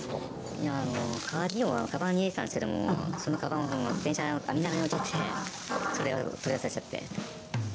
いや、あの、鍵をかばんに入れてたんですけれども、そのかばんを電車の網棚に置いちゃって、それを取り忘れちゃって。